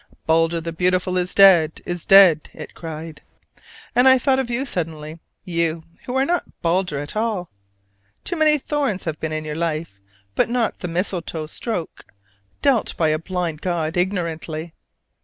"Balder the beautiful is dead, is dead!" it cried: and I thought of you suddenly; you, who are not Balder at all. Too many thorns have been in your life, but not the mistletoe stroke dealt by a blind god ignorantly.